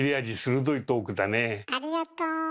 ありがとう。